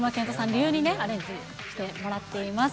流にアレンジしてもらっています。